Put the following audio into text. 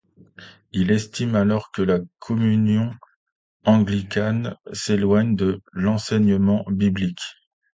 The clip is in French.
Il estime alors que la Communion anglicane s'éloigne de l'enseignement biblique.